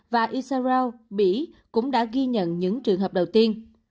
và israel cũng đã ghi nhận những trường hợp đầu tiên